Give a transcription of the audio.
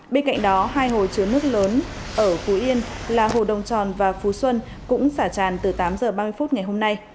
bên cạnh đó hai hồ chứa nước lớn ở phú yên là hồ đồng tròn và phú xuân cũng xả tràn từ tám h ba mươi phút ngày hôm nay